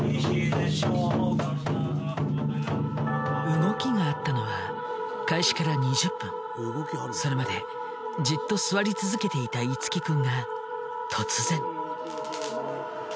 動きがあったのはそれまでじっと座り続けていた樹君が突然。